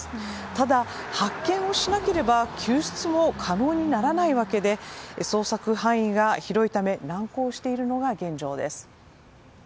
ただ、発見をしなければ救出も可能にならないわけで捜索範囲が広いため難航しているのが現状です。